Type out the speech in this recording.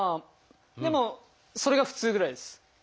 でもそれが普通ぐらいです。